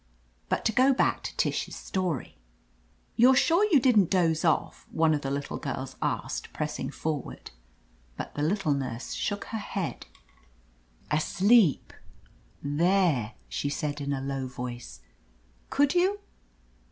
But to go back to Tish's story. "You're sure you didn't doze off?" one of the girls asked, pressing forward. But the Little Nurse shook her head. THE AMAZING ADVENTURES "Asleep ! There ?" she said, in a low voice. "Could you?''